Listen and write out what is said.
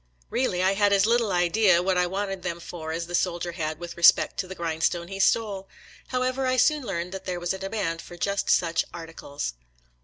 Eeally, I had as little idea what I wanted them for as the soldier had with respect to the grindstone he stole. However, I soon learned there was a demand for just such arti cles.